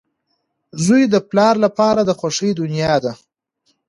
• زوی د پلار لپاره د خوښۍ دنیا ده.